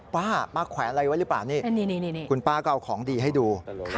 ป้าป้าแขวนอะไรไว้หรือเปล่านี่คุณป้าก็เอาของดีให้ดู